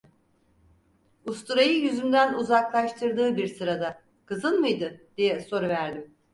Usturayı yüzümden uzaklaştırdığı bir sırada: "Kızın mıydı?" diye soruverdim.